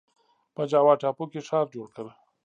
په جاوا ټاپو کې ښار جوړ کړ.